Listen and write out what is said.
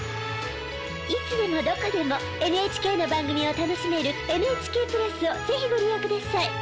いつでもどこでもＮＨＫの番組を楽しめるＮＨＫプラスを是非ご利用ください。